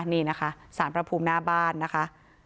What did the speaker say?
นี่นะคะสารพระภูมิหน้าบ้านนะคะ